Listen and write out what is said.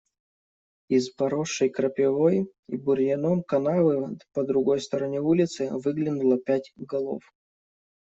Из поросшей крапивой и бурьяном канавы по другой стороне улицы выглянуло пять голов.